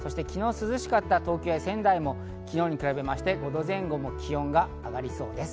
昨日、涼しかった東京や仙台も昨日に比べて５度前後も気温が上がりそうです。